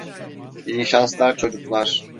İyi şanslar çocuklar.